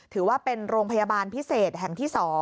ถือว่าเป็นโรงพยาบาลพิเศษแห่งที่๒